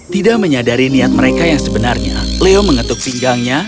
tidak menyadari niat mereka yang sebenarnya leo mengetuk pinggangnya